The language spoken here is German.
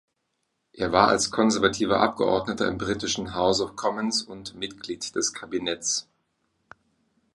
Er war als konservativer Abgeordneter im britischen House of Commons und Mitglied des Kabinetts.